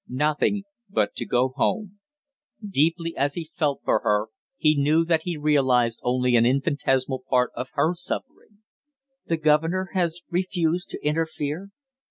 "Nothing, but to go home." Deeply as he felt for her, he knew that he realized only an infinitesimal part of her suffering. "The governor has refused to interfere?"